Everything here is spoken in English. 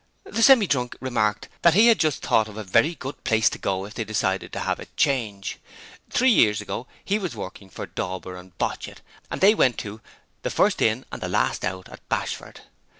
The Semi drunk remarked that he had just thought of a very good place to go if they decided to have a change. Three years ago he was working for Dauber and Botchit and they went to 'The First In and the Last Out' at Bashford.